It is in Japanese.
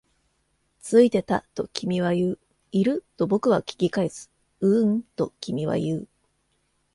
ついてた、と君は言う。いる？と僕は聞き返す。ううん、と君は言う。